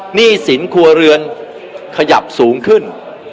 หนี้สินครัวเรือนขยับสูงขึ้น